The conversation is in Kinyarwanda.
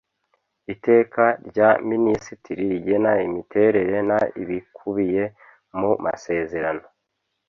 Iteka rya Minisitiri rigena imiterere n ibikubiye mu masezerano